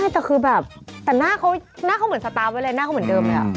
ใช่แต่เค้าเหมือนสตาร์ฟเวลาหน้าเค้าเหมือนเดิมเลยอะ